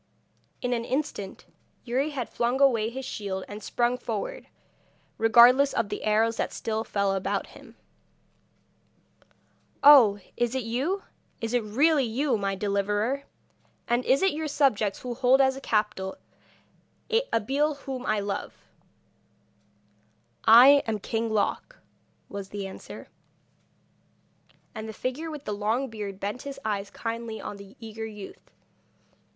In an instant Youri had flung away his shield and sprung forward, regardless of the arrows that still fell about him. [Illustration: 'IS THIS THE MAN THAT YOU WISH TO MARRY?'] 'Oh, is it you, is it really you, my deliverer? And is it your subjects who hold as a captive Abeille whom I love?' 'I am King Loc,' was the answer. And the figure with the long beard bent his eyes kindly on the eager youth.